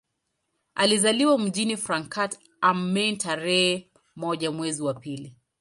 Alizaliwa mjini Frankfurt am Main tarehe moja mwezi wa pili